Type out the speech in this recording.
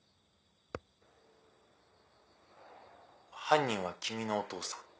犯人は君のお父さん。